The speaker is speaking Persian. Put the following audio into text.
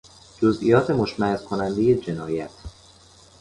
جزئیات مشمئز کنندهی جنایت